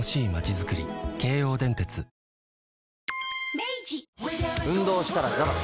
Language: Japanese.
明治運動したらザバス。